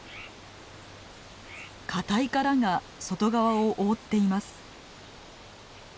固い殻が外側を覆っています。